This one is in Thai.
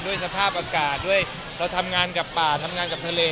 สภาพอากาศด้วยเราทำงานกับป่าทำงานกับทะเล